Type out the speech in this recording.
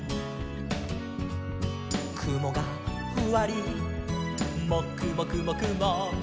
「くもがふわりもくもくもくも」